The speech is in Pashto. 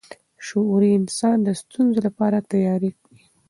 شعوري انسان د ستونزو لپاره تیار وي.